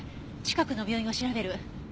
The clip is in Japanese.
近くの病院を調べる。